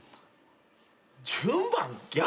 順番逆！